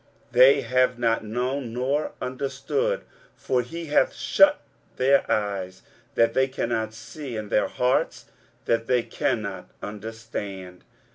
23:044:018 They have not known nor understood: for he hath shut their eyes, that they cannot see; and their hearts, that they cannot understand.